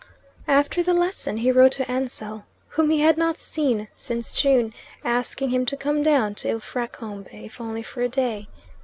After the lesson he wrote to Ansell, whom he had not seen since June, asking him to come down to Ilfracombe, if only for a day.